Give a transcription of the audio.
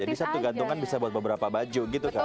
jadi satu gantungan bisa buat beberapa baju gitu kan